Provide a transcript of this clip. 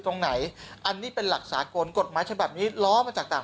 ตรงไหนอันนี้เป็นหลักสากลกฎหมายฉบับนี้ล้อมาจากต่าง